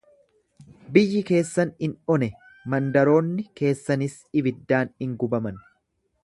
Biyyi keessan in one, mandaroonni keessanis ibiddaan in gubaman.